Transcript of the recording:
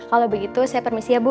kalau begitu saya permisi ya bu